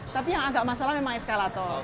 tapi yang agak masalah memang eskalator